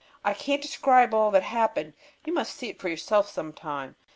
I can't describe all that happened. You must see it for yourself some time.